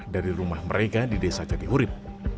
dari rumah mereka di desa cadi hurim